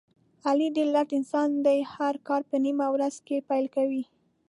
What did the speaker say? علي ډېر لټ انسان دی، هر کار په نیمه ورځ کې پیل کوي.